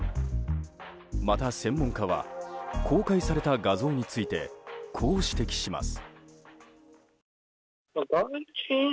また、専門家は公開された画像についてこう指摘します。